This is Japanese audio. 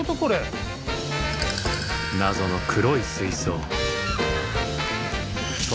謎の黒い水槽。